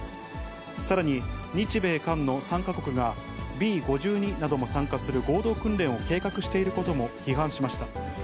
さらに、日米韓の３か国が、Ｂ５２なども参加する合同訓練を計画していることも批判しました。